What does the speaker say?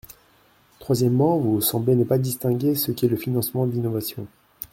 Troisièmement, vous semblez ne pas distinguer ce qu’est le financement de l’innovation.